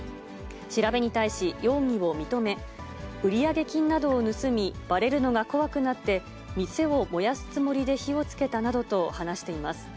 調べに対し容疑を認め、売上金などを盗み、ばれるのが怖くなって、店を燃やすつもりで火をつけたなどと話しています。